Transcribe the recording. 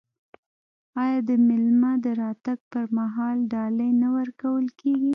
آیا د میلمه د تګ پر مهال ډالۍ نه ورکول کیږي؟